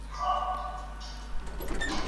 پورونه د بانکونو لخوا مستحقو کسانو ته ورکول کيږي.